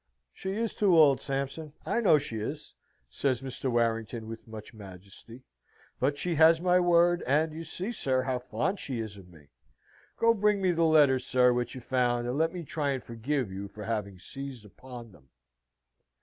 "She is too old, Sampson, I know she is," says Mr. Warrington, with much majesty; "but she has my word, and you see, sir, how fond she is of me. Go bring me the letters, sir, which you found, and let me try and forgive you for having seized upon them."